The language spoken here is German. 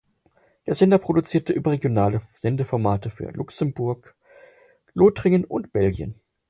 Der Sender produzierte überregionale Sendeformate für Luxemburg, Lothringen und Belgien.